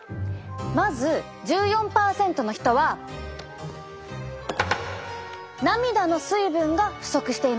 まず１４％の人は涙の水分が不足していました。